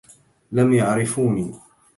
لم يعرفوني